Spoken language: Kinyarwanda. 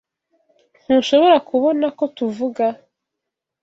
Ntushobora kubona ko tuvuga?